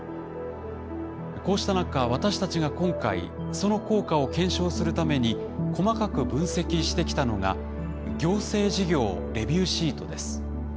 こうした中私たちが今回その効果を検証するために細かく分析してきたのが行政事業レビューシートです。